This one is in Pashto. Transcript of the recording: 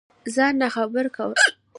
ځان ناخبره كول